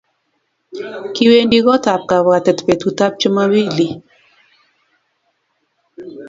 Kiwendi kot ap kabwatet petut ap Chumambili.